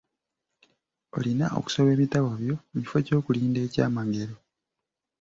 Olina okusoma ebitabo byo mu kifo ky'okulinda ekyamagero.